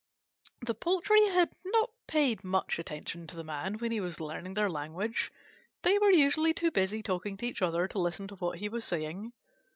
The poultry had not paid much attention to the Man when he was learning their language. They were usually too busy talking to each other to listen to what he was saying.